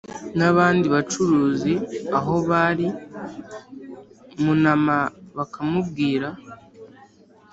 nabandi bacuruzi aho bari munama bakamubwira